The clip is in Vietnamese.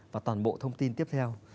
và toàn bộ thông tin tiếp theo